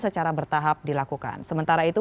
secara bertahap dilakukan sementara itu